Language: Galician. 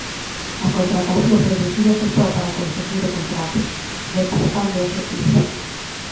A contratación producíase só para conseguir o contrato, deturpando o obxectivo.